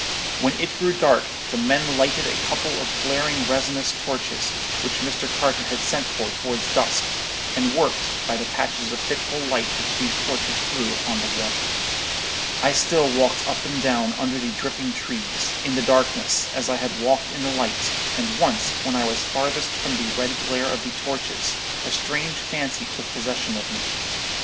"When it grew dark, the men lighted a couple of flaring resinous torches, which Mr. Carter had sent for towards dusk, and worked, by the patches of fitful light which these torches threw upon the water. I still walked up and down under the dripping trees, in the darkness, as I had walked in the light; and once when I was farthest from the red glare of the torches, a strange fancy took possession of me.